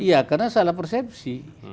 iya karena salah persepsi